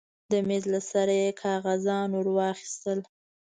د مېز له سره يې کاغذان ورواخيستل.